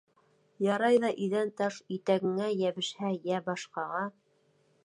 Ярай ҙа иҙән таш, итәгеңә йәбешһә, йә башҡаға...